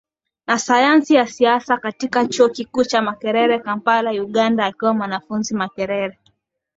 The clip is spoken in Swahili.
na sayansi ya siasa katika chuo kikuu cha Makerere Kampala Uganda Akiwa mwanafunzi Makerere